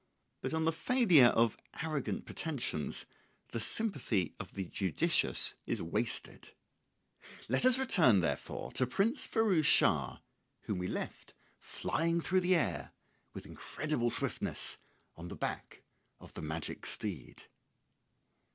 But on the failure of arrogant pretensions the sympathy of the judicious is wasted; let us return therefore to Prince Firouz Schah, whom we left flying through the air with incredible swiftness on the back of the magic steed.